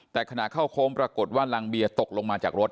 แต่ขณะเข้าโค้งปรากฏว่ารังเบียตกลงมาจากรถ